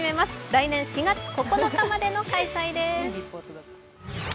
来年４月９日までの開催です。